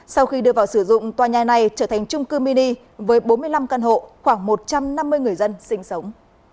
sau khi đưa vào sử dụng tòa nhà này trở thành trung cư mini với bốn mươi năm căn hộ khoảng một trăm năm mươi người dân sinh sống